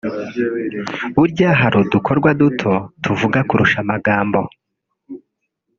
burya hari udukorwa duto tuvuga kurusha amagambo